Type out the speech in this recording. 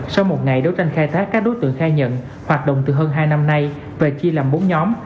sau một ngày đấu tranh khai thác các đối tượng khai nhận hoạt động từ hơn hai năm nay và chia làm bốn nhóm